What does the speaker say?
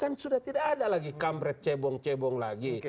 kan sudah tidak ada lagi kamret cebong cebong lagi